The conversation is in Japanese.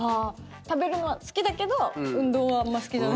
食べるのは好きだけど運動はあんま好きじゃない？